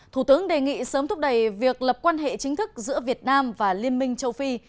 thủ tướng đề nghị sớm thúc đẩy việc lập quan hệ chính thức giữa việt nam và liên minh châu phi